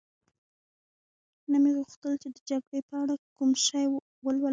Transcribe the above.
نه مې غوښتل چي د جګړې په اړه کوم شی ولولم.